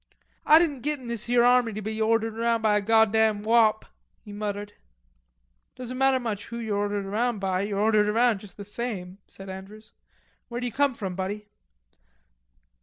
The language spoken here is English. "Ah didn't git in this here army to be ordered around by a goddam wop," he muttered. "Doesn't matter much who you're ordered around by, you're ordered around just the same," said Andrews. "Where d'ye come from, buddy?"